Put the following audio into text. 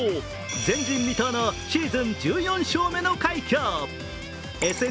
前人未到のシーズン１４勝目の快挙。